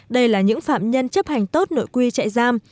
đây là những phạm nhân chấp hành tốt nội quy trại giam